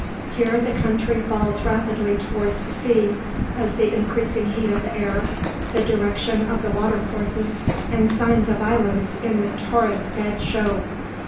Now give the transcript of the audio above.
Here the country falls rapidly towards the sea, as the increasing heat of the air, the direction of the water courses, and signs of violence in the torrent bed show.